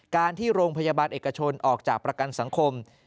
การที่โรงพยาบาลเอกชนออกจากประกันสังคม